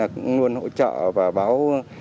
cũng luôn hỗ trợ và báo